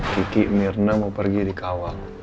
kiki mirna mau pergi dikawal